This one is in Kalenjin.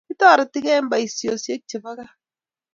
Kitoretigei eng boishoshek chepo kaa